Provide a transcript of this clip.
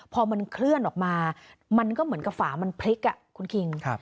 พอมันเคลื่อนออกมามันก็เหมือนกับฝามันพลิกคุณคิง